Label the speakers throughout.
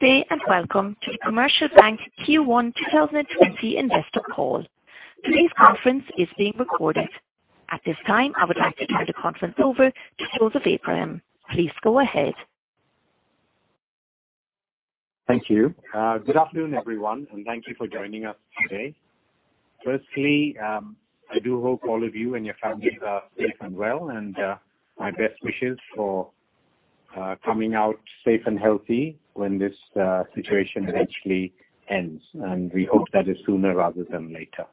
Speaker 1: Good day. Welcome to The Commercial Bank Q1 2020 Investor Call. Today's conference is being recorded. At this time, I would like to turn the conference over to Joseph Abraham. Please go ahead.
Speaker 2: Thank you. Good afternoon, everyone. Thank you for joining us today. Firstly, I do hope all of you and your families are safe and well. My best wishes for coming out safe and healthy when this situation eventually ends. We hope that is sooner rather than later.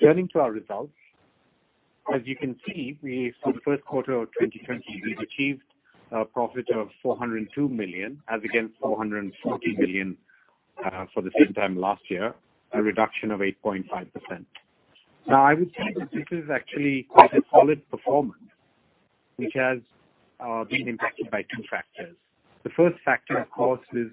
Speaker 2: Turning to our results. As you can see, for the first quarter of 2020, we've achieved a profit of 402 million as against 440 million for the same time last year, a reduction of 8.5%. I would say that this is actually quite a solid performance which has been impacted by two factors. The first factor, of course, is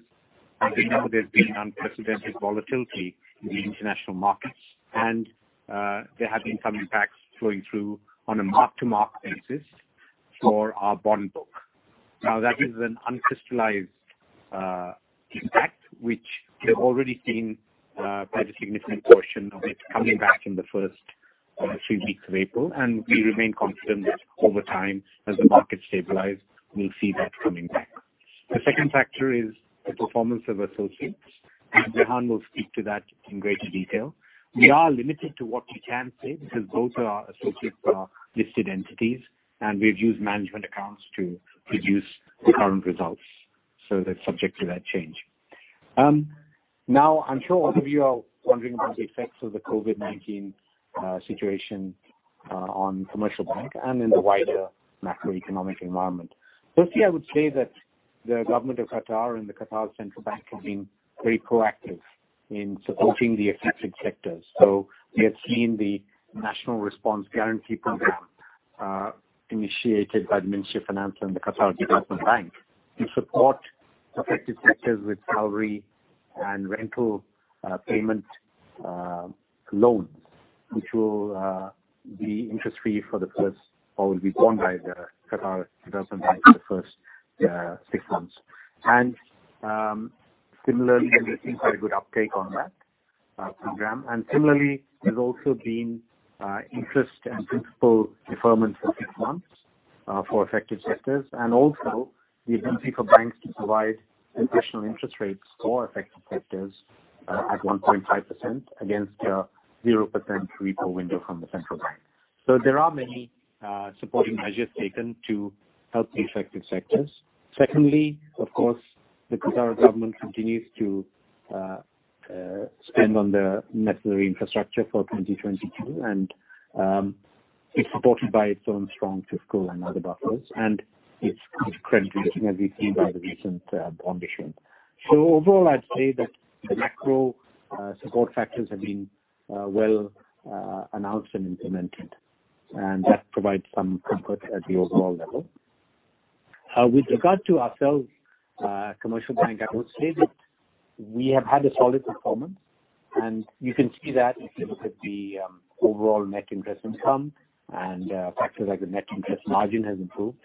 Speaker 2: as we know there's been unprecedented volatility in the international markets. There have been some impacts flowing through on a mark-to-mark basis for our bond book. That is an uncrystallized impact which we have already seen quite a significant portion of it coming back in the first few weeks of April. We remain confident that over time, as the market stabilizes, we'll see that coming back. The second factor is the performance of associates. Rehan will speak to that in greater detail. We are limited to what we can say because both our associates are listed entities. We've used management accounts to produce the current results, so they're subject to that change. I'm sure all of you are wondering about the effects of the COVID-19 situation on The Commercial Bank and in the wider macroeconomic environment. Firstly, I would say that the government of Qatar and the Qatar Central Bank have been very proactive in supporting the affected sectors. We have seen the national response guarantee program initiated by the Ministry of Finance and the Qatar Development Bank to support affected sectors with salary and rental payment loans, which will be interest-free for the first, or will be borne by the Qatar Development Bank for the first six months. Similarly, we're seeing quite a good uptake on that program. Similarly, there's also been interest and principal deferment for six months for affected sectors. Also we've been paid for banks to provide additional interest rates for affected sectors at 1.5% against a 0% repo window from the central bank. There are many supporting measures taken to help the affected sectors. Secondly, of course, the Qatar government continues to spend on the necessary infrastructure for 2022, and it's supported by its own strong fiscal and other buffers and its credit rating, as we've seen by the recent bond issuance. Overall, I'd say that the macro support factors have been well announced and implemented, and that provides some comfort at the overall level. With regard to ourselves, The Commercial Bank, I would say that we have had a solid performance, and you can see that if you look at the overall Net Interest Income and factors like the Net Interest Margins has improved.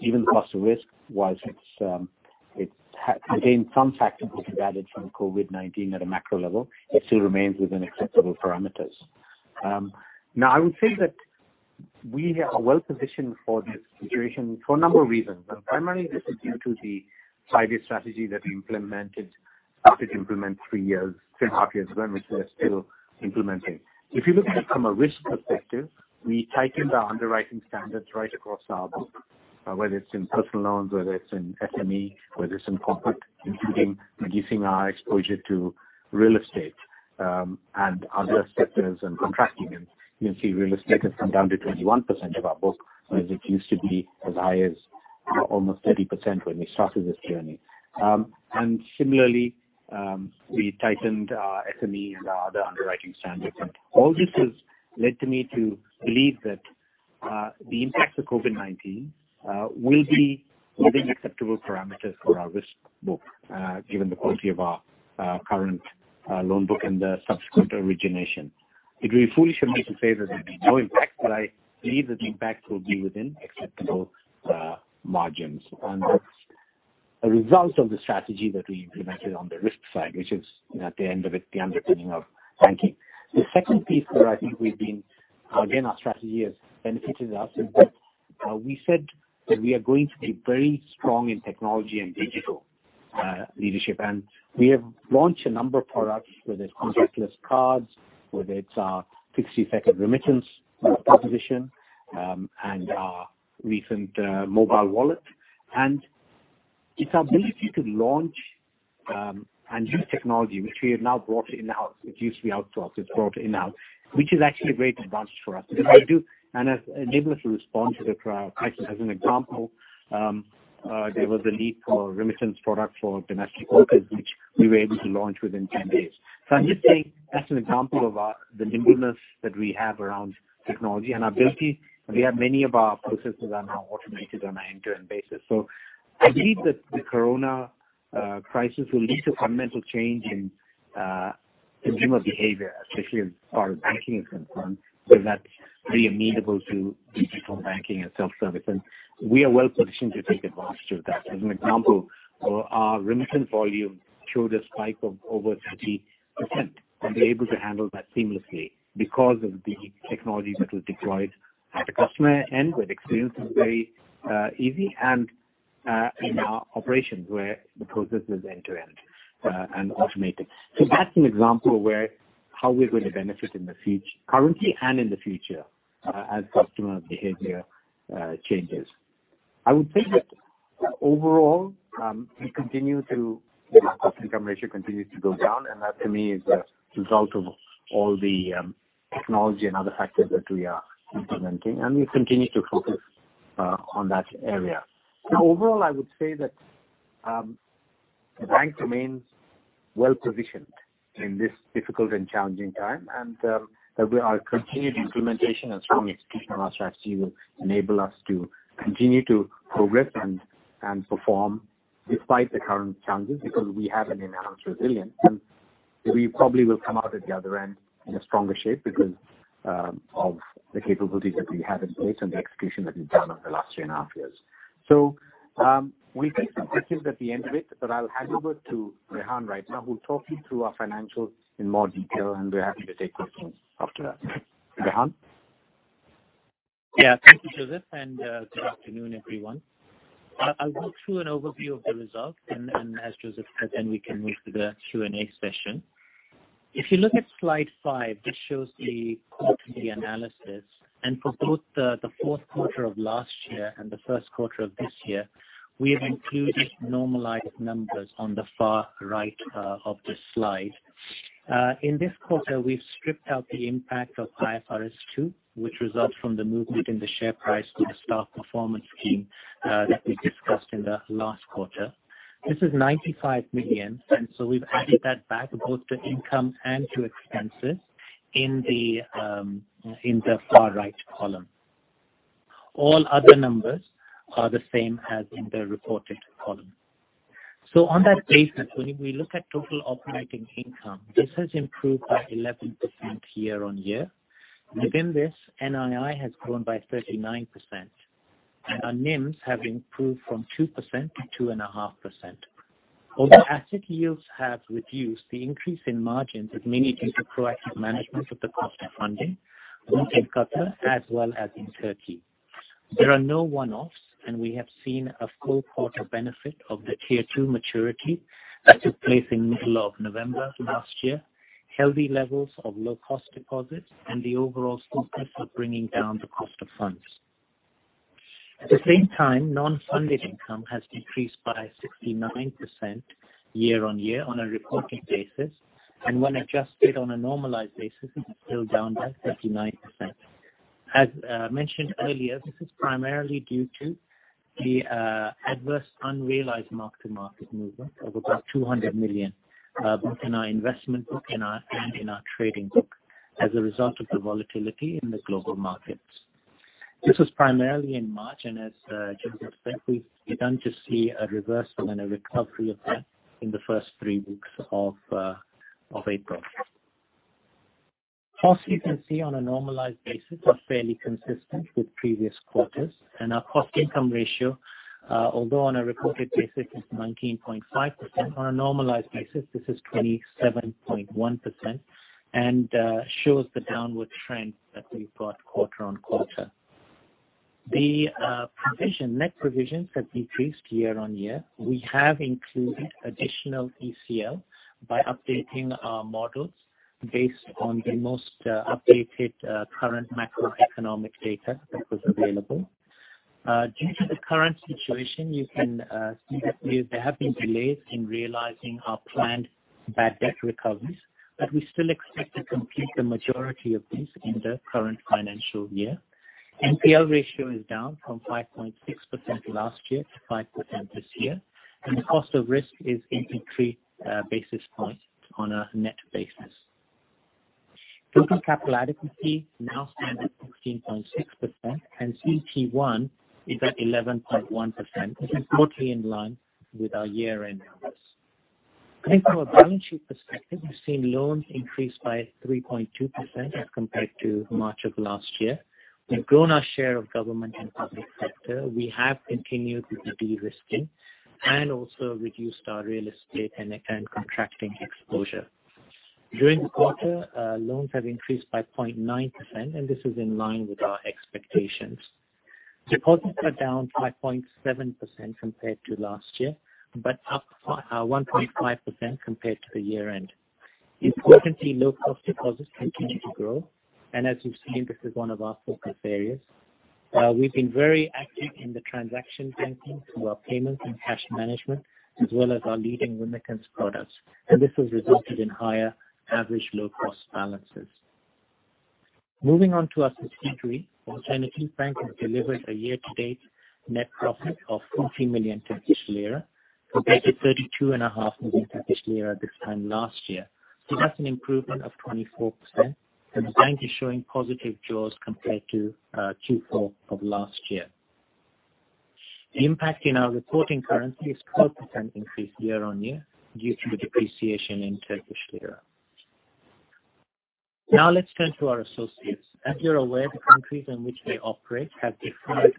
Speaker 2: Even cost to risk, whilst it's, again, some factors which have added from COVID-19 at a macro level, it still remains within acceptable parameters. I would say that we are well positioned for this situation for a number of reasons, but primarily this is due to the five-year strategy that we implemented three and a half years ago, which we are still implementing. If you look at it from a risk perspective, we tightened our underwriting standards right across our book, whether it's in personal loans, whether it's in SME, whether it's in corporate, including reducing our exposure to real estate and other sectors and contracting. You can see real estate has come down to 21% of our book, whereas it used to be as high as almost 30% when we started this journey. Similarly, we tightened our SME and our other underwriting standards. All this has led me to believe that the impacts of COVID-19 will be within acceptable parameters for our risk book, given the quality of our current loan book and the subsequent origination. It would be foolish of me to say that there'll be no impact, but I believe that the impact will be within acceptable margins, and that's a result of the strategy that we implemented on the risk side, which is at the end of it, the underpinning of banking. The second piece where I think we've been, again, our strategy has benefited us is that we said that we are going to be very strong in technology and digital leadership. We have launched a number of products, whether it's contactless cards, whether it's our 60-second remittance proposition, and our recent mobile wallet. It's our ability to launch and use technology which we have now brought in-house. It used to be outsourced. It's brought in-house, which is actually a great advantage for us because it has enabled us to respond to the crisis. As an example, there was a need for a remittance product for domestic workers which we were able to launch within 10 days. I'm just saying that's an example of the nimbleness that we have around technology and our ability. We have many of our processes are now automated on an end-to-end basis. I believe that the corona crisis will lead to fundamental change in consumer behavior, especially as far as banking is concerned, because that's very amenable to digital banking and self-service, and we are well positioned to take advantage of that. As an example, our remittance volume showed a spike of over 30% and be able to handle that seamlessly because of the technology that was deployed at the customer end, where the experience is very easy, and in our operations, where the process is end-to-end and automated. That's an example how we're going to benefit currently and in the future as customer behavior changes. I would say that overall, the cost income ratio continues to go down, and that to me is a result of all the technology and other factors that we are implementing. We continue to focus on that area. Overall, I would say that the bank remains well-positioned in this difficult and challenging time, our continued implementation and strong execution of our strategy will enable us to continue to progress and perform despite the current challenges, because we have an enhanced resilience, we probably will come out at the other end in a stronger shape because of the capabilities that we have in place and the execution that we've done over the last two and a half years. We take some questions at the end of it, I'll hand over to Rehan right now, who'll talk you through our financials in more detail, and we're happy to take questions after that. Rehan?
Speaker 3: Thank you, Joseph, and good afternoon, everyone. I'll go through an overview of the results. As Joseph said, then we can move to the Q&A session. If you look at slide five, this shows the quarterly analysis. For both the fourth quarter of last year and the first quarter of this year, we have included normalized numbers on the far right of the slide. In this quarter, we've stripped out the impact of IFRS 2, which results from the movement in the share price to the stock performance scheme that we discussed in the last quarter. This is 95 million. We've added that back both to income and to expenses in the far right column. All other numbers are the same as in the reported column. On that basis, when we look at total operating income, this has improved by 11% year-on-year. Within this, NII has grown by 39%. Our NIMs have improved from 2% to 2.5%. Although asset yields have reduced, the increase in margins is mainly due to proactive management of the cost of funding both in Qatar as well as in Turkey. There are no one-offs, we have seen a full quarter benefit of the Tier 2 maturity that took place in middle of November last year, healthy levels of low-cost deposits, and the overall success of bringing down the cost of funds. At the same time, non-funded income has decreased by 69% year-on-year on a reported basis. When adjusted on a normalized basis, it is still down by 39%. As mentioned earlier, this is primarily due to the adverse unrealized mark-to-market movement of about 200 million, both in our investment book and in our trading book, as a result of the volatility in the global markets. This was primarily in March, and as Joseph said, we've begun to see a reversal and a recovery of that in the first three weeks of April. Costs, you can see on a normalized basis, are fairly consistent with previous quarters. Our cost income ratio, although on a reported basis is 19.5%, on a normalized basis, this is 27.1% and shows the downward trend that we've got quarter-on-quarter. The net provisions have decreased year-on-year. We have included additional ECL by updating our models based on the most updated current macroeconomic data that was available. Due to the current situation, you can see that there have been delays in realizing our planned bad debt recoveries, but we still expect to complete the majority of these in the current financial year. NPL ratio is down from 5.6% last year to 5% this year, and the cost of risk is increased basis points on a net basis. Total capital adequacy now stands at 16.6%, and CET1 is at 11.1%. This is broadly in line with our year-end numbers. Coming from a balance sheet perspective, we've seen loans increase by 3.2% as compared to March of last year. We've grown our share of government and public sector. We have continued to de-risk and also reduced our real estate and contracting exposure. During the quarter, loans have increased by 0.9%, and this is in line with our expectations. Deposits are down by 0.7% compared to last year, but up 1.5% compared to the year end. Importantly, low-cost deposits continue to grow, and as you've seen, this is one of our focus areas. We've been very active in the transaction banking through our payments and cash management, as well as our leading remittance products, and this has resulted in higher average low-cost balances. Moving on to our P&L, Alternatif Bank has delivered a year-to-date net profit of 40 million Turkish lira compared to 32.5 million Turkish lira this time last year. That's an improvement of 24%, and the bank is showing positive jaws compared to Q4 of last year. The impact in our reporting currency is 12% increase year-on-year due to the depreciation in Turkish lira. Let's turn to our associates. As you're aware, the countries in which we operate have different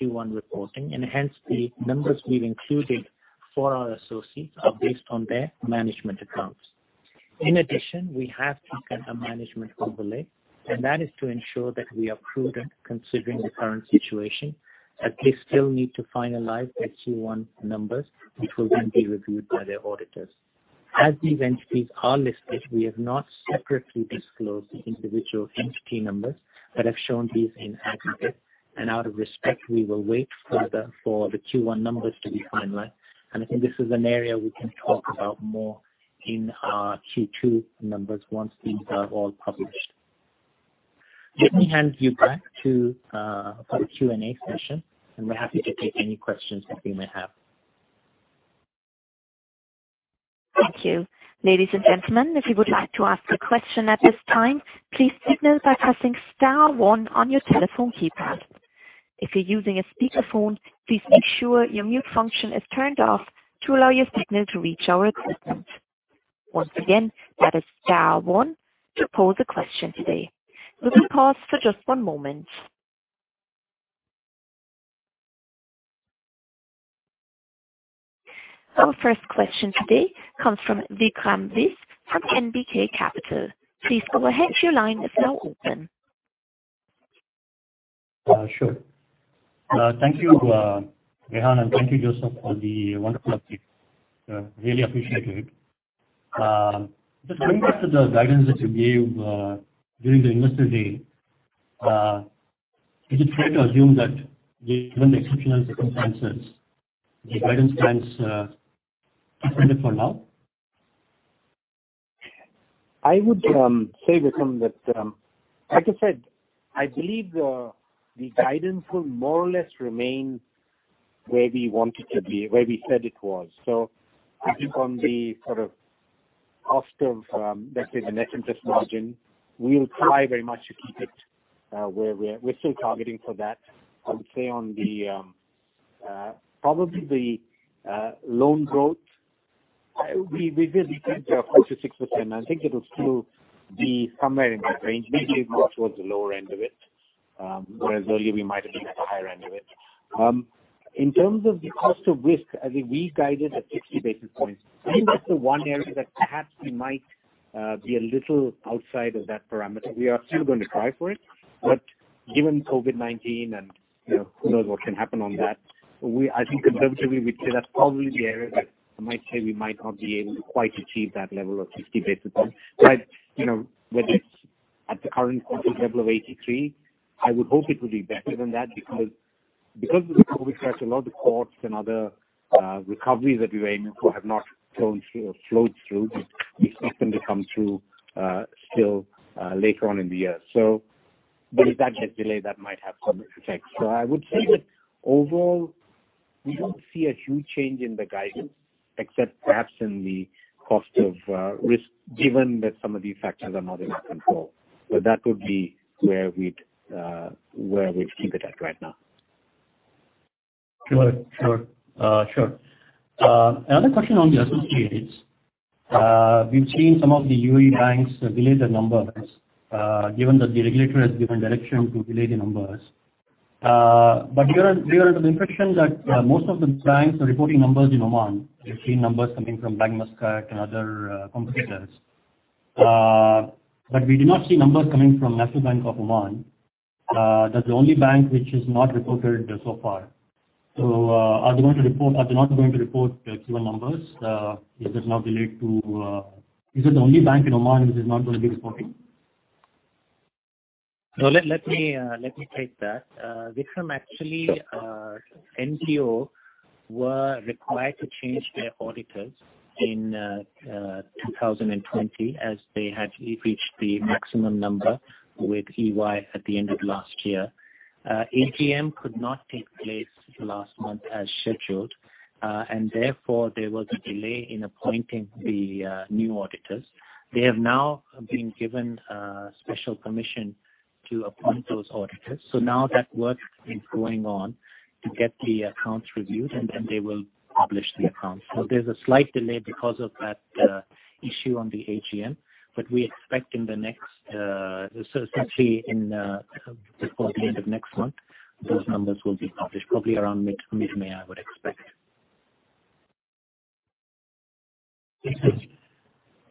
Speaker 3: Q1 reporting, and hence, the numbers we've included for our associates are based on their management accounts. In addition, we have taken a management overlay, and that is to ensure that we are prudent considering the current situation, as they still need to finalize their Q1 numbers, which will then be reviewed by their auditors. As these entities are listed, we have not separately disclosed the individual entity numbers but have shown these in aggregate. Out of respect, we will wait for the Q1 numbers to be finalized. I think this is an area we can talk about more in our Q2 numbers once these are all published. Let me hand you back for the Q&A session, and we're happy to take any questions that you may have.
Speaker 1: Thank you. Ladies and gentlemen, if you would like to ask a question at this time, please signal by pressing star one on your telephone keypad. If you're using a speakerphone, please make sure your mute function is turned off to allow your signal to reach our assistant. Once again, that is star one to pose a question today. We will pause for just one moment. Our first question today comes from Vikram Viswanathan from NBK Capital. Please go ahead. Your line is now open.
Speaker 4: Sure. Thank you, Rehan, thank you, Joseph, for the wonderful update. Really appreciate it. Just coming back to the guidance that you gave during the investor day, is it fair to assume that given the exceptional circumstances, the guidance stands confirmed for now?
Speaker 3: I would say, Vikram, that, like I said, I believe the guidance will more or less remain where we want it to be, where we said it was. I think on the cost of, let's say, the Net Interest Margin, we'll try very much to keep it where we're still targeting for that. I would say on probably the loan growth, we did guide 4%-6%. I think it'll still be somewhere in that range, maybe more towards the lower end of it, whereas earlier we might have been at the higher end of it. In terms of the cost of risk, I think we guided at 60 basis points. I think that's the one area that perhaps we might be a little outside of that parameter. We are still going to try for it. Given COVID-19 and who knows what can happen on that, I think conservatively, we'd say that's probably the area that I might say we might not be able to quite achieve that level of 60 basis points. Whether it's at the current level of 83, I would hope it will be better than that because of the COVID crash, a lot of the courts and other recoveries that we were aiming for have not flowed through. We expect them to come through still later on in the year. If that gets delayed, that might have some effect. I would say that overall, we don't see a huge change in the guidance except perhaps in the cost of risk, given that some of these factors are not in our control. That would be where we'd keep it at right now.
Speaker 4: Sure. Another question on the associates. We've seen some of the UAE banks delay their numbers, given that the regulator has given direction to delay the numbers. We are under the impression that most of the banks are reporting numbers in Oman. We've seen numbers coming from Bank Muscat and other competitors. We do not see numbers coming from National Bank of Oman. That's the only bank which is not reported so far. Are they not going to report their Q1 numbers? Is it now delayed? Is it the only bank in Oman which is not going to be reporting?
Speaker 3: No, let me take that. Vikram, actually, NBO were required to change their auditors in 2020 as they had reached the maximum number with EY at the end of last year. AGM could not take place last month as scheduled, and therefore, there was a delay in appointing the new auditors. They have now been given special permission to appoint those auditors. Now that work is going on to get the accounts reviewed, and then they will publish the accounts. There's a slight delay because of that issue on the AGM. We expect essentially in the end of next month, those numbers will be published, probably around mid to May, I would expect.
Speaker 4: Okay.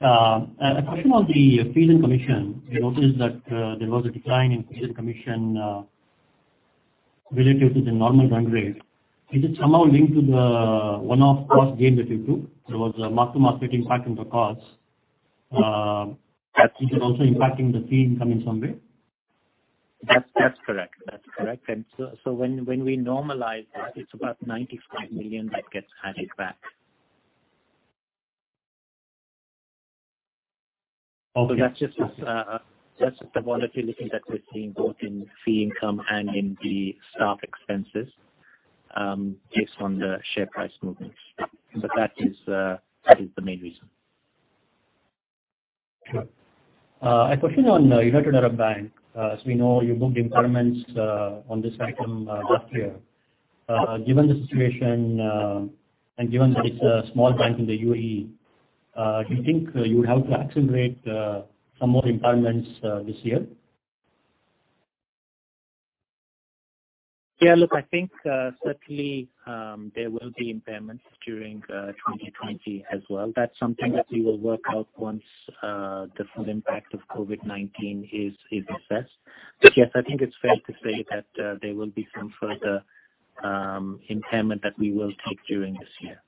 Speaker 4: A question on the fee and commission. We noticed that there was a decline in fee and commission relative to the normal run rate. Is it somehow linked to the one-off cost gain that you took? There was a mark-to-market impact on the costs. Do you think it's also impacting the fee income in some way?
Speaker 3: That's correct. When we normalize that, it's about 95 million that gets added back. Although that's just the volatility that we've seen both in fee income and in the staff expenses based on the share price movements. That is the main reason.
Speaker 4: Sure. A question on United Arab Bank. As we know, you booked impairments on this item last year. Given the situation, and given that it's a small bank in the UAE, do you think you would have to accelerate some more impairments this year?
Speaker 3: Yeah, look, I think certainly, there will be impairments during 2020 as well. That's something that we will work out once the full impact of COVID-19 is assessed. Yes, I think it's fair to say that there will be some further impairment that we will take during this year.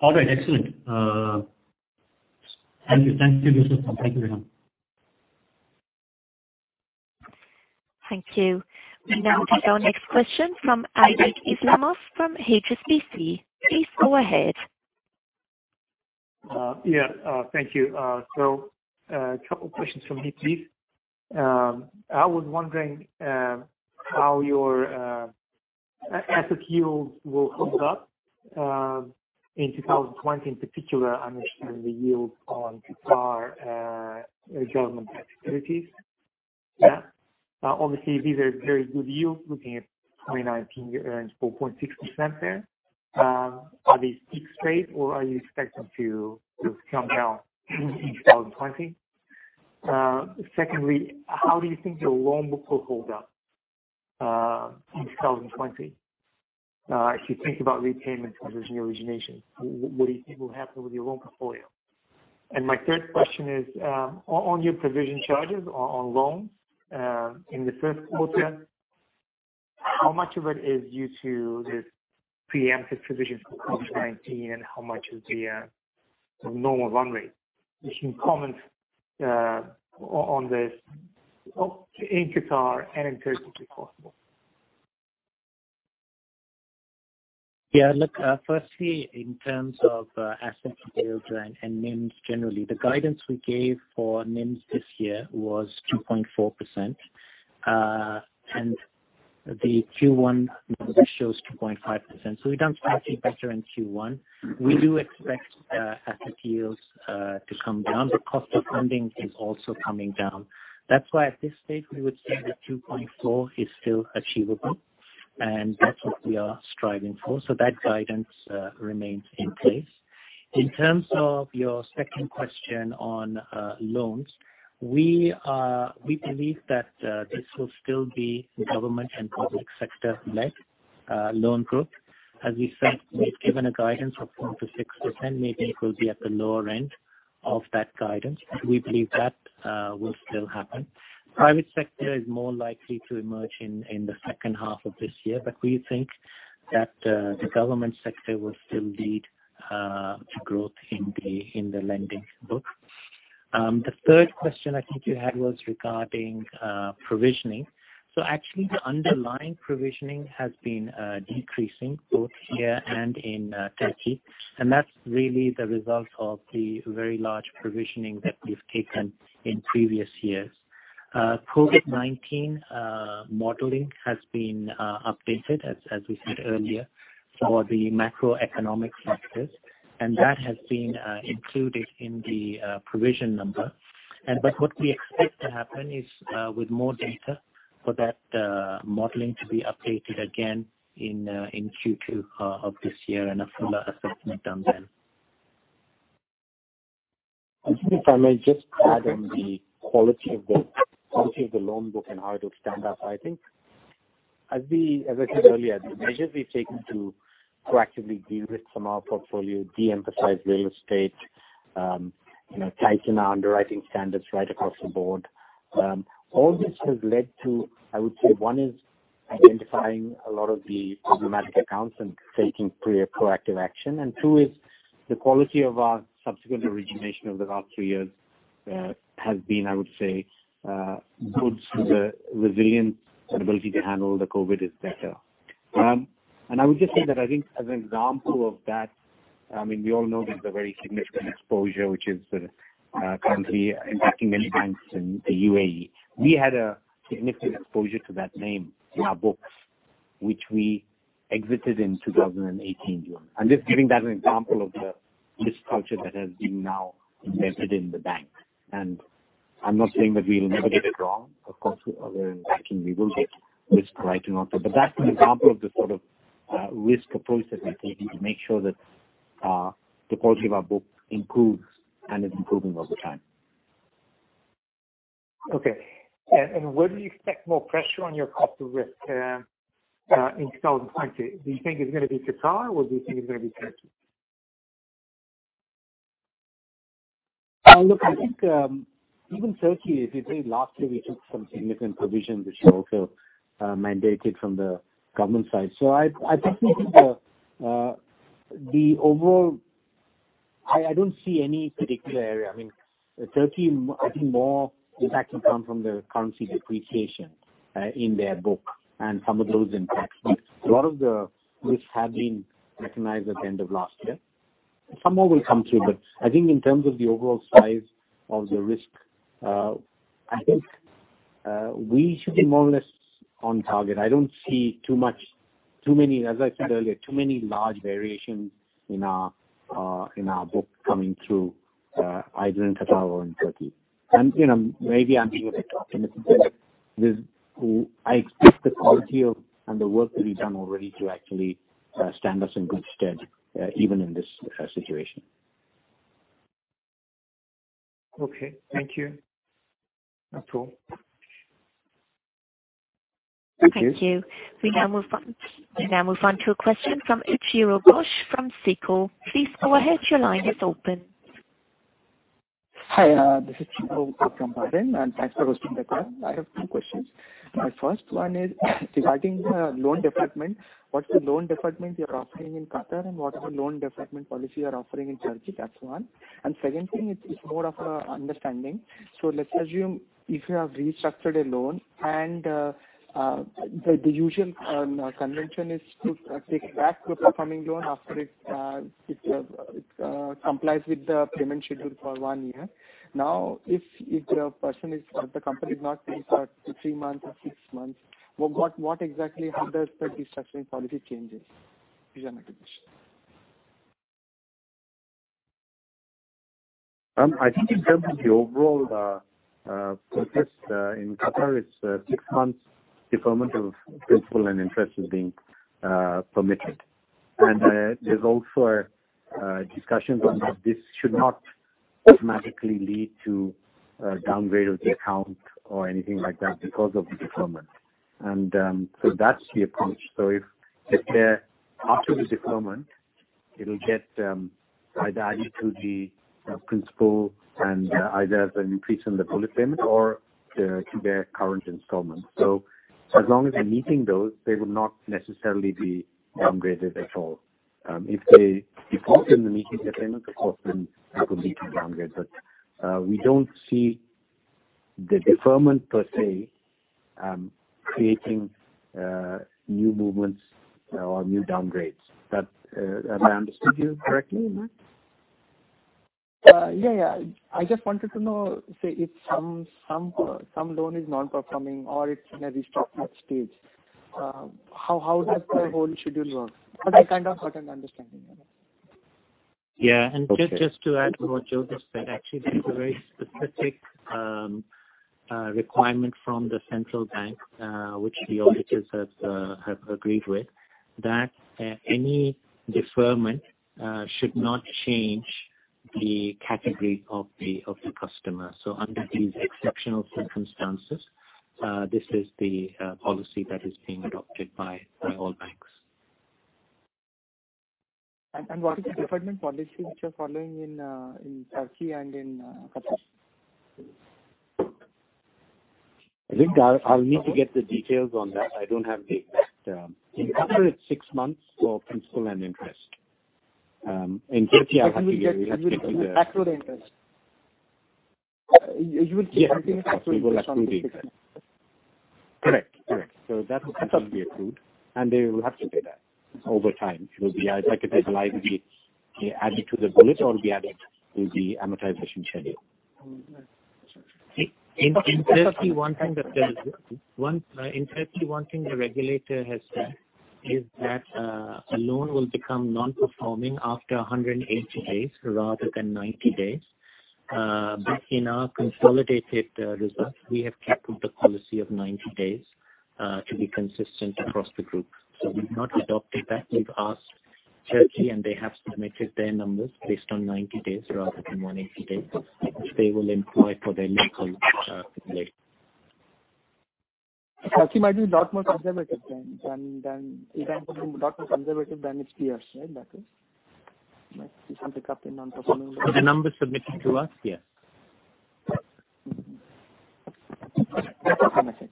Speaker 4: All right, excellent. Thank you, Viswa. Thank you very much.
Speaker 1: Thank you. Now we take our next question from Aybek Islamov from HSBC. Please go ahead.
Speaker 5: Thank you. A couple questions from me, please. I was wondering how your asset yields will hold up in 2020, in particular, I'm interested in the yield on Qatar government securities. Obviously, these are very good yields. Looking at 2019, you earned 4.6% there. Are these peak trades or are you expecting to come down in 2020? Secondly, how do you think your loan book will hold up in 2020? If you think about repayments versus new origination, what do you think will happen with your loan portfolio? My third question is, on your provision charges on loans, in the first quarter, how much of it is due to this preemptive provision for COVID-19 and how much is the sort of normal run rate? If you can comment on this in Qatar and in Turkey, if possible.
Speaker 3: Look, firstly, in terms of asset yields and NIMs, generally, the guidance we gave for NIMs this year was 2.4%, and the Q1 number shows 2.5%, so we've done slightly better in Q1. We do expect asset yields to come down. The cost of funding is also coming down. That's why at this stage, we would say that 2.4 is still achievable, and that's what we are striving for. That guidance remains in place. In terms of your second question on loans, we believe that this will still be a government and public sector-led loan group. As we said, we've given a guidance of 4%-6%, maybe it will be at the lower end of that guidance. We believe that will still happen. Private sector is more likely to emerge in the second half of this year. We think that the government sector will still lead the growth in the lending book. The third question I think you had was regarding provisioning. Actually, the underlying provisioning has been decreasing both here and in Turkey, and that's really the result of the very large provisioning that we've taken in previous years. COVID-19 modeling has been updated, as we said earlier, for the macroeconomic factors, and that has been included in the provision number. What we expect to happen is with more data for that modeling to be updated again in Q2 of this year and a fuller assessment done then.
Speaker 2: I think if I may just add on the quality of the loan book and how it would stand up. I think, as I said earlier, the measures we've taken to proactively de-risk from our portfolio, de-emphasize real estate, tighten our underwriting standards right across the board. All this has led to, I would say, one is identifying a lot of the problematic accounts and taking proactive action, and two is the quality of our subsequent origination over the last three years has been, I would say, good. The resilience and ability to handle the COVID is better. I would just say that I think as an example of that, we all know there's a very significant exposure which is currently impacting many banks in the UAE. We had a significant exposure to that name in our books, which we exited in 2018, June. I'm just giving that as an example of the risk culture that has been now embedded in the bank. I'm not saying that we will never get it wrong. Of course, in banking, we will get risk writing off. That's an example of the sort of risk approach that we're taking to make sure that the quality of our book improves and is improving over time.
Speaker 5: Okay. Where do you expect more pressure on your cost of risk in 2020? Do you think it's going to be Qatar, or do you think it's going to be Turkey?
Speaker 2: Look, I think even Turkey, if you think last year, we took some significant provisions which were also mandated from the government side. I don't see any particular area. Turkey, I think more impact will come from the currency depreciation in their book and some of those impacts. A lot of the risks have been recognized at the end of last year. Some more will come through, but I think in terms of the overall size of the risk, I think we should be more or less on target. I don't see, as I said earlier, too many large variations in our book coming through either in Qatar or in Turkey. Maybe I'm being a bit optimistic here. I expect the quality and the work that we've done already to actually stand us in good stead, even in this situation.
Speaker 5: Okay. Thank you. That's all.
Speaker 3: Thank you.
Speaker 1: Thank you. We now move on to a question from Chiro Ghosh from SICO. Please go ahead. Your line is open.
Speaker 6: Hi, this is Chiro from Bahrain, thanks for hosting the call. I have two questions. My first one is regarding the loan deferment. What's the loan deferment you're offering in Qatar, and what is the loan deferment policy you're offering in Turkey? That's one. Second thing is more of a understanding. Let's assume if you have restructured a loan and the usual convention is to take back the performing loan after it complies with the payment schedule for one year. Now, if the company is not paying for three months or six months, what exactly, how does the deferment policy changes? This is my question.
Speaker 2: I think in Turkey, overall the process in Qatar is six months deferment of principal and interest is being permitted. There's also discussions on that this should not automatically lead to a downgrade of the account or anything like that because of the deferment. That's the approach. If they're after the deferment, it'll get either added to the principal and either as an increase in the bullet payment or to their current installment. As long as they're meeting those, they would not necessarily be downgraded at all. If they default in meeting their payments, of course, then that would lead to downgrade. We don't see the deferment per se creating new movements or new downgrades. Have I understood you correctly in that?
Speaker 6: I just wanted to know, say if some loan is non-performing or it's in a restructuring stage, how does the whole schedule work? I kind of got an understanding of that.
Speaker 3: Yeah.
Speaker 2: Okay.
Speaker 3: Just to add to what Joseph said, actually, there's a very specific requirement from the Qatar Central Bank, which the auditors have agreed with, that any deferment should not change the category of the customer. Under these exceptional circumstances, this is the policy that is being adopted by all banks.
Speaker 6: What is the deferment policy which you're following in Turkey and in Qatar?
Speaker 2: I think I'll need to get the details on that. In Qatar, it's six months for principal and interest.
Speaker 6: You will accrete the interest. You will keep accreting the interest on the principal.
Speaker 2: Yes, we will accrete the interest. Correct. That will continue to be accrued, and they will have to pay that over time. It'll either be added to the bullet or be added to the amortization schedule.
Speaker 3: In Turkey, one thing the regulator has said is that a loan will become non-performing after 180 days rather than 90 days. In our consolidated results, we have kept the policy of 90 days to be consistent across the group. We've not adopted that. We've asked Turkey, and they have submitted their numbers based on 90 days rather than 180 days, which they will employ for their local delay.
Speaker 6: Okay. Turkey might be a lot more conservative than its peers, right? That is something kept in non-performing loans.
Speaker 3: The numbers submitted to us, yes.
Speaker 6: Okay. That's all from my side.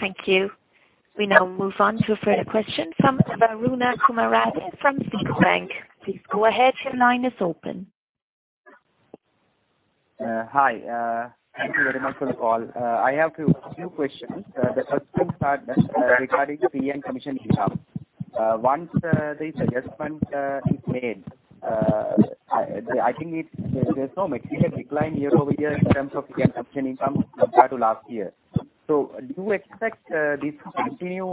Speaker 1: Thank you. We now move on to a further question from Waruna Kumarage from SICO Bank. Please go ahead. Your line is open.
Speaker 7: Hi. Thank you very much for the call. I have two questions. The first one regarding fee and commission income. Once the adjustment is made, I think there's no material decline year-over-year in terms of fee and commission income compared to last year. Do you expect this to continue?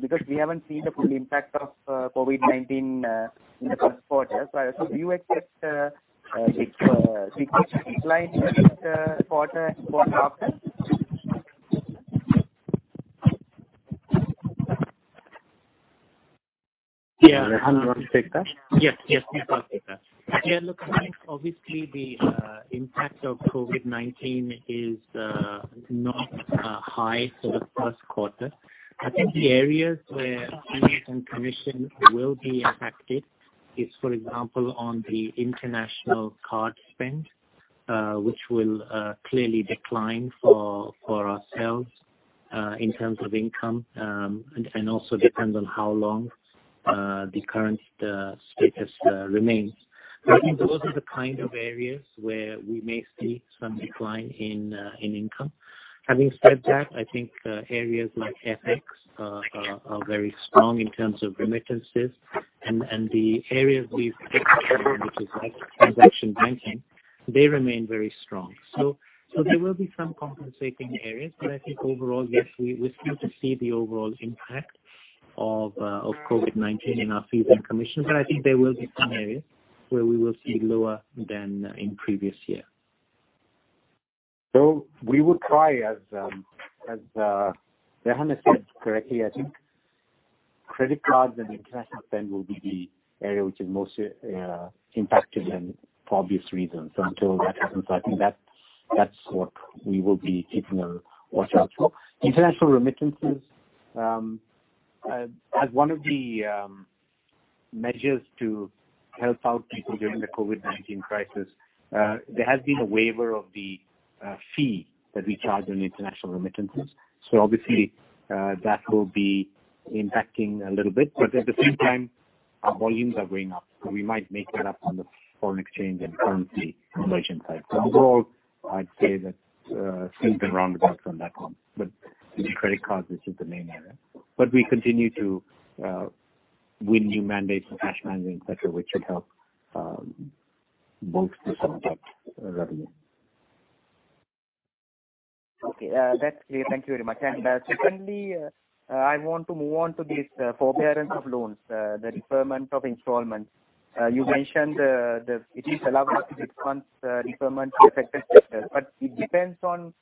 Speaker 7: Because we haven't seen the full impact of COVID-19 in the first quarter. Do you expect it to decline in this quarter and quarter after?
Speaker 2: Rehan, do you want to take that?
Speaker 3: Yes. I'll take that. Look, I think obviously the impact of COVID-19 is not high for the first quarter. I think the areas where fees and commission will be impacted is, for example, on the international card spend, which will clearly decline for ourselves in terms of income, and also depends on how long the current status remains. I think those are the kind of areas where we may see some decline in income. Having said that, I think areas like FX are very strong in terms of remittances, and the areas we expect, which is like transaction banking, they remain very strong. There will be some compensating areas. I think overall, yes, we still to see the overall impact of COVID-19 in our fees and commissions, but I think there will be some areas where we will see lower than in previous year. We will try as Rehan said correctly, I think credit cards and international spend will be the area which is most impacted and for obvious reasons. Until that happens, I think that's what we will be keeping a watch out for. International remittances, as one of the measures to help out people during the COVID-19 crisis there has been a waiver of the fee that we charge on international remittances. Obviously, that will be impacting a little bit. At the same time, our volumes are going up, so we might make that up on the foreign exchange and currency conversion side. Overall, I'd say that things been round about on that front. The credit cards is the main area. We continue to win new mandates for cash management, et cetera, which should help boost the subject revenue.
Speaker 7: Okay, that's clear. Thank you very much. Secondly, I want to move on to this forbearance of loans, the deferment of installments. You mentioned it is allowable to dispense deferment to affected sectors, but it depends on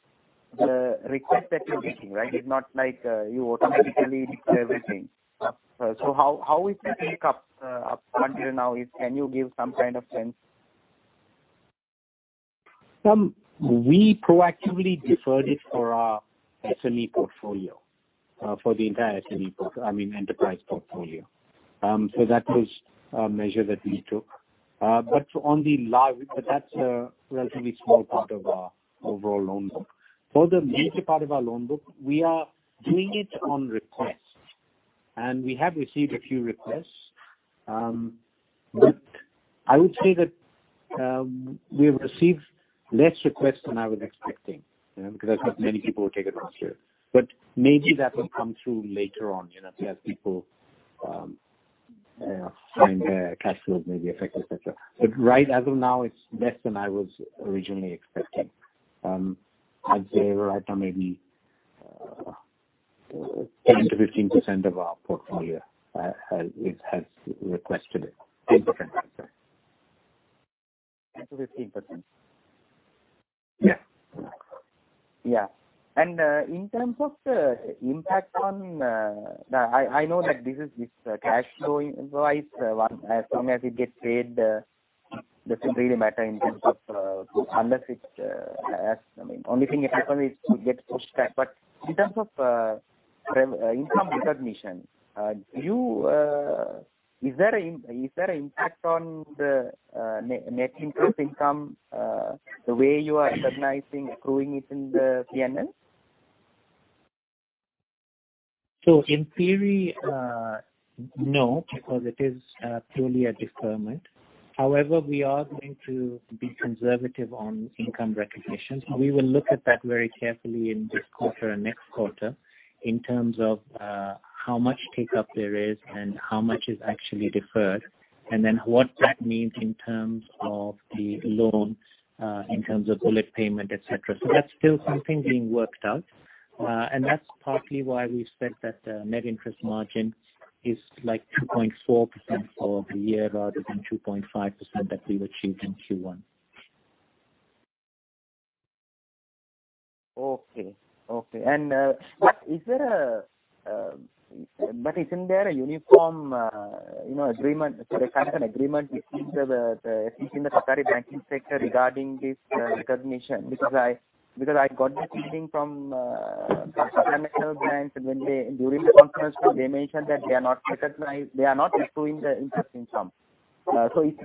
Speaker 7: the request that you're getting, right? It's not like you automatically do everything. How is the take-up up country now? Can you give some kind of sense?
Speaker 3: We proactively deferred it for our SME portfolio, for the entire SME portfolio, I mean, enterprise portfolio. That was a measure that we took. That's a relatively small part of our overall loan book. For the major part of our loan book, we are doing it on request, and we have received a few requests. I would say that we have received less requests than I was expecting because I thought many people would take advantage of it. Maybe that will come through later on as people find their cash flow may be affected, et cetera. Right as of now, it's less than I was originally expecting. I'd say right now maybe 10%-15% of our portfolio has requested it. 10%.
Speaker 7: 10%-15%?
Speaker 3: Yes.
Speaker 7: Yeah. In terms of impact on I know that this is cash flow wise one. As long as it gets paid, doesn't really matter in terms of, only thing if someone is to get pushed back. In terms of income recognition, is there an impact on the net interest income the way you are recognizing, accruing it in the P&L?
Speaker 3: In theory no, because it is purely a deferment. However, we are going to be conservative on income recognition. We will look at that very carefully in this quarter and next quarter in terms of how much take-up there is and how much is actually deferred, and then what that means in terms of the loans, in terms of bullet payment, et cetera. That's still something being worked out, and that's partly why we've said that net interest margin is like 2.4% for the year rather than 2.5% that we've achieved in Q1.
Speaker 7: Isn't there a uniform agreement between the Qatari banking sector regarding this recognition? Because I got this feeling from some financial banks when during the conference call they mentioned that they are not accruing the interest income.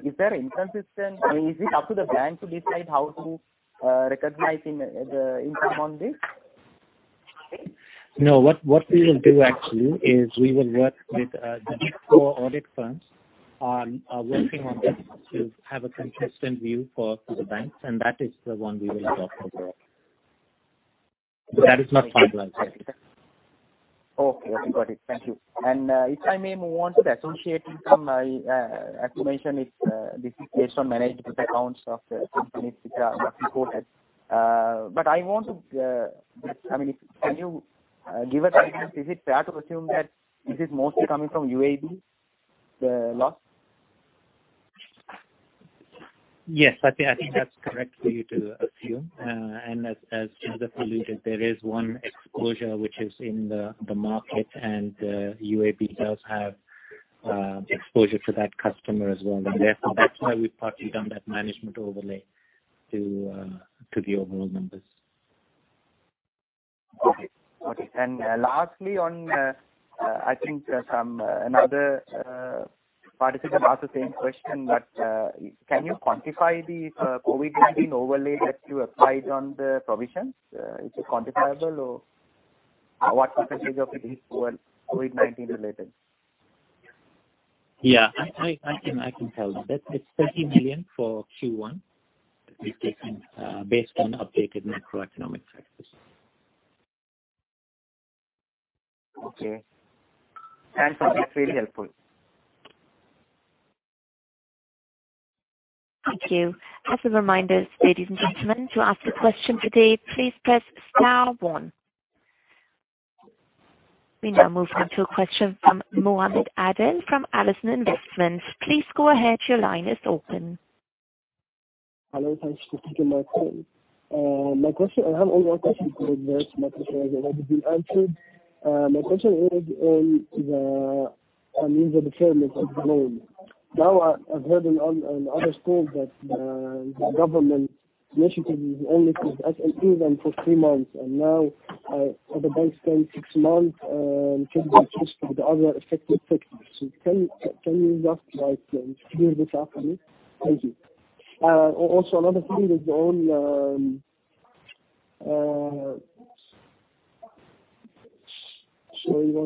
Speaker 7: Is there inconsistency? Is it up to the bank to decide how to recognize the income on this?
Speaker 3: No. What we will do actually is we will work with the Big Four audit firms on working on this to have a consistent view for the banks, and that is the one we will adopt overall. That is not finalized yet.
Speaker 7: Okay. Got it. Thank you. If I may move on to the associate income, as you mentioned, this is based on management accounts of companies, et cetera, that we've got it. Can you give us guidance, is it fair to assume that this is mostly coming from UAB, the loss?
Speaker 3: Yes, Satya, I think that's correct for you to assume. As Joseph alluded, there is one exposure which is in the market, and UAB does have exposure to that customer as well. Therefore, that's why we've partly done that management overlay to the overall numbers.
Speaker 7: Lastly on, I think another participant asked the same question, but can you quantify the COVID-19 overlay that you applied on the provisions? Is it quantifiable, or what percentage of it is COVID-19 related?
Speaker 2: Yeah, I can tell that. It is 30 million for Q1 based on updated macroeconomic factors.
Speaker 7: Okay. Thanks, that is really helpful.
Speaker 1: Thank you. As a reminder, ladies and gentlemen, to ask a question today, please press star one. We now move on to a question from Mohammed Adel from Allison Investment. Please go ahead. Your line is open.
Speaker 8: Hello. Thanks for taking my call. I have only one question because the other questions have already been answered. My question is on the deferment of loans. I've heard on other calls that the government initiative is only for SMEs and for three months, and now the other banks saying six months and can be extended to other affected sectors. Can you just clear this up for me? Thank you. Just the government initiative. Thank you.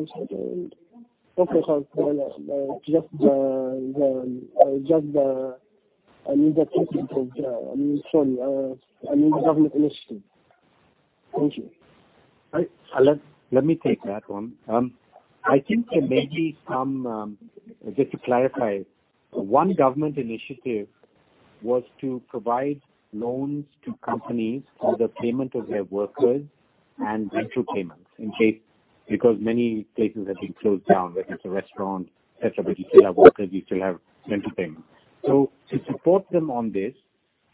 Speaker 2: Let me take that one. I think there may be some, just to clarify, one government initiative was to provide loans to companies for the payment of their workers and rental payments in case because many places have been closed down, whether it's a restaurant, et cetera, but you still have workers, you still have rental payments. To support them on this,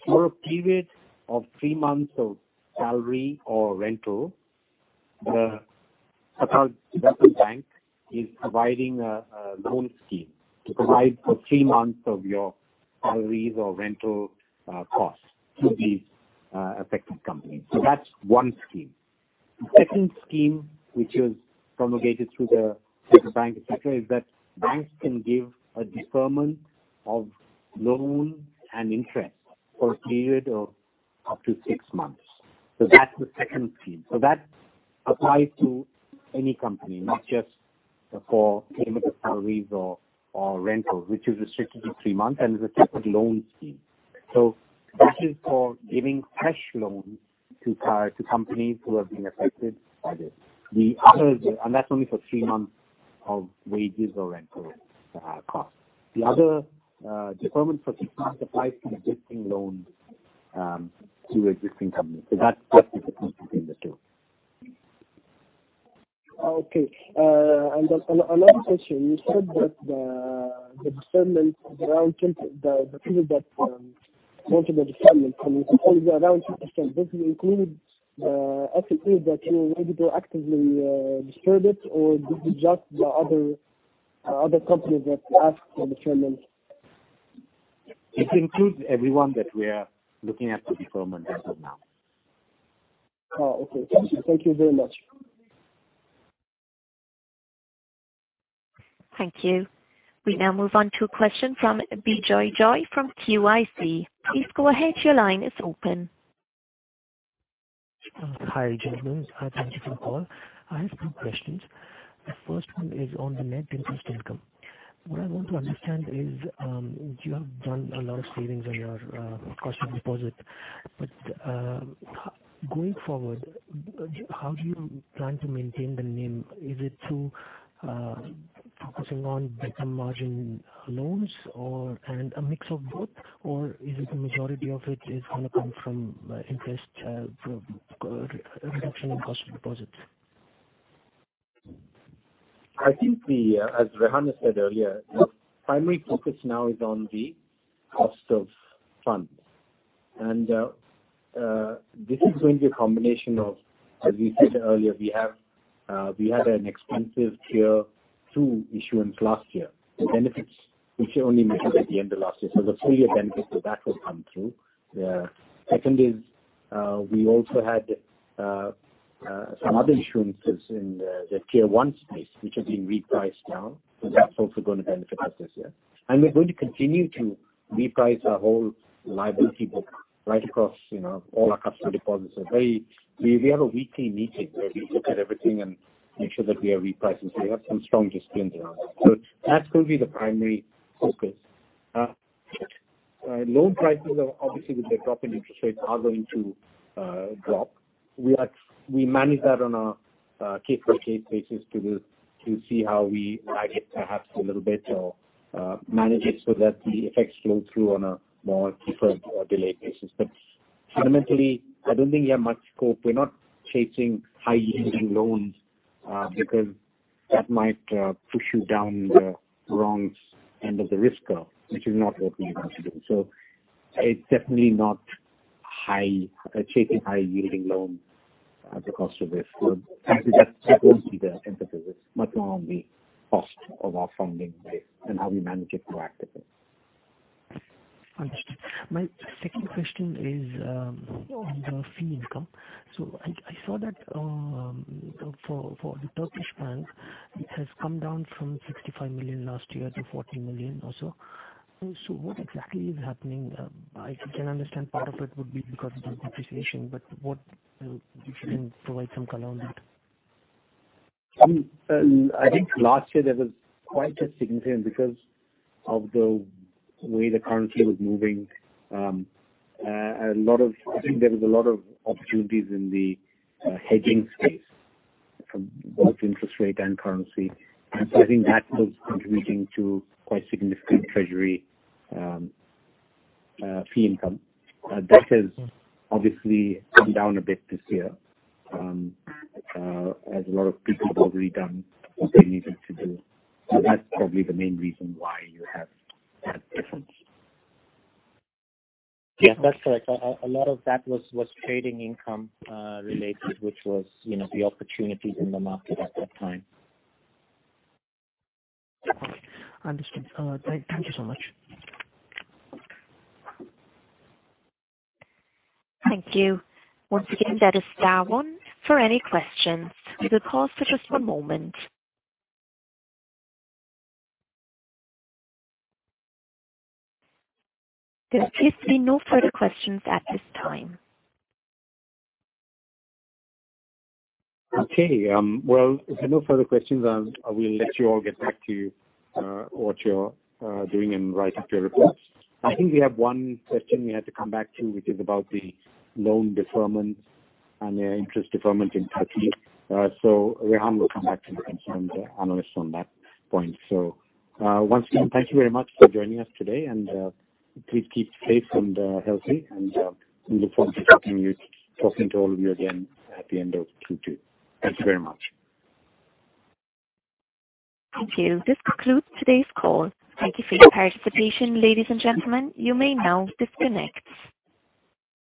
Speaker 2: for a period of three months of salary or rental, the Qatar Development Bank is providing a loan scheme to provide for three months of your salaries or rental costs to these affected companies. That's one scheme. The second scheme, which was promulgated through the Qatar Central Bank, et cetera, is that banks can give a deferment of loan and interest for a period of up to six months. That's the second scheme. That applies to any company, not just for payment of salaries or rentals, which is restricted to three months and is a separate loan scheme. This is for giving fresh loans to companies who have been affected by this. That's only for three months of wages or rental costs. The other deferment for six months applies to existing loans, to existing companies. That's just the difference between the two.
Speaker 8: Okay. Another question. You said that the deferment, the period that falls under deferment can only be around 10%. Does it include the entities that you are ready to actively distribute or is it just the other companies that ask for deferment?
Speaker 2: It includes everyone that we are looking at to deferment as of now.
Speaker 8: Oh, okay. Thank you. Thank you very much.
Speaker 1: Thank you. We now move on to a question from Bijoy Joy from QIC. Please go ahead. Your line is open.
Speaker 9: Hi, gentlemen. Thank you for the call. I have two questions. The first one is on the net interest income. Going forward, how do you plan to maintain the NIM? Is it through focusing on better margin loans or a mix of both, or is it the majority of it is going to come from interest, reduction in cost of deposits?
Speaker 2: I think as Rehan said earlier, our primary focus now is on the cost of funds. This is going to be a combination of, as we said earlier, we had an expensive Tier 2 issuance last year. The benefits, which we only mentioned at the end of last year. The 3-year benefit of that will come through. Second, we also had some other issuances in the Tier 1 space, which have been repriced now. That's also going to benefit us this year. We're going to continue to reprice our whole liability book right across all our customer deposits. We have a weekly meeting where we look at everything and make sure that we are repricing. We have some strong disciplines around that. That's going to be the primary focus. Loan prices, obviously, with the drop in interest rates are going to drop. We manage that on a case-by-case basis to see how we lag it perhaps a little bit or manage it so that the effects flow through on a more deferred or delayed basis. Fundamentally, I don't think we have much scope. We're not chasing high-yielding loans because that might push you down the wrong end of the risk curve, which is not what we want to do. It's definitely not chasing high-yielding loans at the cost of risk. That won't be the emphasis. Much more on the cost of our funding base and how we manage it proactively.
Speaker 9: Understood. My second question is on the fee income. I saw that for the Turkish bank, it has come down from 65 million last year to 40 million or so. What exactly is happening? I can understand part of it would be because of the depreciation, but if you can provide some color on that.
Speaker 3: I think last year there was quite a significant because of the way the currency was moving. I think there was a lot of opportunities in the hedging space from both interest rate and currency. I think that was contributing to quite significant treasury fee income. That has obviously come down a bit this year as a lot of people have already done what they needed to do. That's probably the main reason why you have that difference.
Speaker 10: Yeah, that's correct. A lot of that was trading income related, which was the opportunities in the market at that time.
Speaker 9: Understood. Thank you so much.
Speaker 1: Thank you. Once again, that is star one for any questions. We will pause for just one moment. There appears to be no further questions at this time.
Speaker 2: Okay. Well, if there are no further questions, I will let you all get back to what you're doing and writing up your reports. I think we have one question we have to come back to, which is about the loan deferment and the interest deferment in Turkey. Rehan will come back to the concerned analysts on that point. Once again, thank you very much for joining us today and please keep safe and healthy and we look forward to talking to all of you again at the end of Q2. Thank you very much.
Speaker 1: Thank you. This concludes today's call. Thank you for your participation, ladies and gentlemen. You may now disconnect.